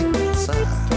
satu satu satu